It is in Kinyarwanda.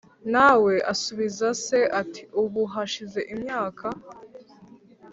Na we asubiza se ati ubu hashize imyaka